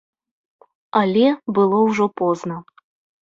Але было ўжо позна.